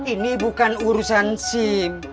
ini bukan urusan sim